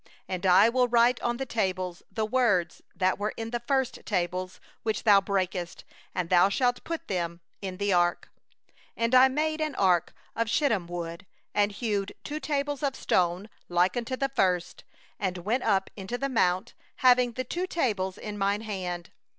2And I will write on the tables the words that were on the first tables which thou didst break, and thou shalt put them in the ark.' 3So I made an ark of acacia wood, and hewed two tables of stone like unto the first, and went up into the mount, having the two tables in my hand.